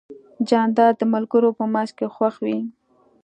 جانداد د ملګرو په منځ کې خوښ وي.